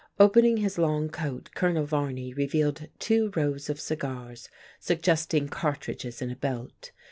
Opening his long coat, Colonel Varney revealed two rows of cigars, suggesting cartridges in a belt.